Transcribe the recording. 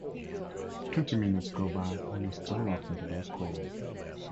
Twenty minutes go by and you're still locked into those two chords...